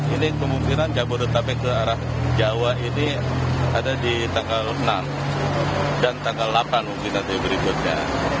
ini kemungkinan jabodetabek ke arah jawa ini ada di tanggal enam dan tanggal delapan mungkin nanti berikutnya